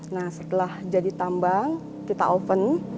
nah setelah jadi tambang kita oven